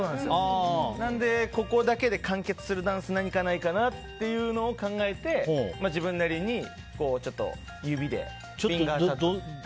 なので、ここだけで完結するダンスが何かないかと考えて自分なりに指でフィンガータッドを。